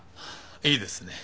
いいですね。